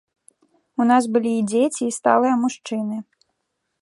У нас былі і дзеці, і сталыя мужчыны.